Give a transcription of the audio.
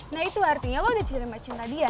nah itu artinya lu udah cerima cinta dia